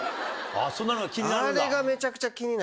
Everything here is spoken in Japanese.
そんなのが気になるんだ。